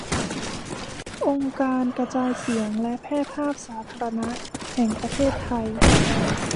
องค์การกระจายเสียงและแพร่ภาพสาธารณะแห่งประเทศไทย